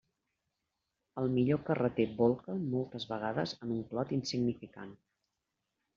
El millor carreter bolca moltes vegades en un clot insignificant.